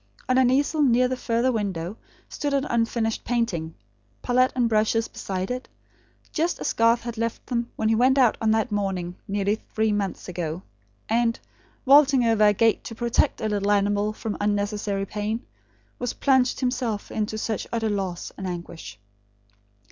On an easel near the further window stood an unfinished painting; palette and brushes beside it, just as Garth had left them when he went out on that morning, nearly three months ago; and, vaulting over a gate to protect a little animal from unnecessary pain, was plunged himself into such utter loss and anguish.